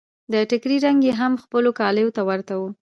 د ټکري رنګ يې هم خپلو کاليو ته ورته و.